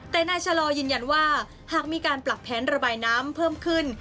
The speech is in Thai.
แต่นายชะลอยืนยันว่าหากมีการปรับแผนระบายน้ำเพิ่มขึ้น